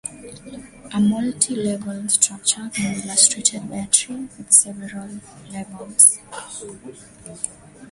A multi-level structure can be illustrated by a tree with several levels.